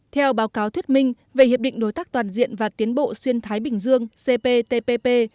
theo báo cáo thuyết minh về hiệp định đối tác toàn diện và tiến bộ xuyên thái bình dương cptpp